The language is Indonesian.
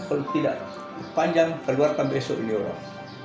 ini kalau tidak panjang keluar sampai besok ini orang